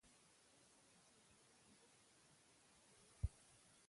د سیمې مسلمانانو موږ ته لاره پاکوله.